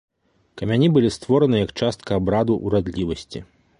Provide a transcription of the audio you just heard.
Камяні былі створаны як частка абраду урадлівасці.